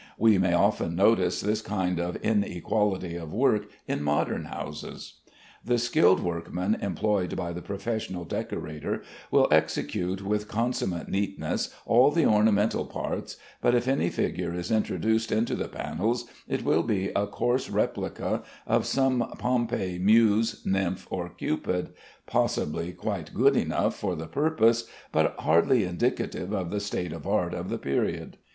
We may often notice this kind of inequality of work in modern houses. The skilled workmen employed by the professional decorator will execute with consummate neatness all the ornamental parts, but if any figure is introduced into the panels it will be a coarse replica of some Pompeii muse, nymph, or cupid, possibly quite good enough for the purpose, but hardly indicative of the state of art of the period.